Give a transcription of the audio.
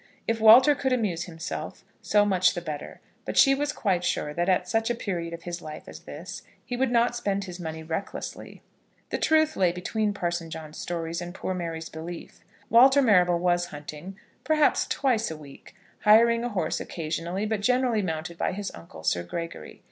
If Walter could amuse himself, so much the better; but she was quite sure that, at such a period of his life as this, he would not spend his money recklessly. The truth lay between Parson John's stories and poor Mary's belief. Walter Marrable was hunting, perhaps twice a week, hiring a horse occasionally, but generally mounted by his uncle, Sir Gregory.